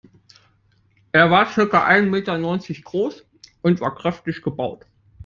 Er war circa ein Meter neunzig groß und war kräftig gebaut.